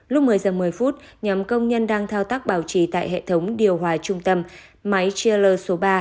lúc một mươi giờ một mươi phút nhóm công nhân đang thao tác bảo trì tại hệ thống điều hòa trung tâm máy chiller số ba